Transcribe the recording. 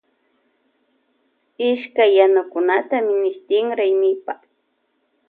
Ishkay yanukunata mishitin raymipa.